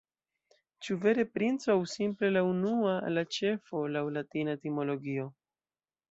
Ĉu vere princo, aŭ simple la unua, la ĉefo, laŭ la latina etimologio?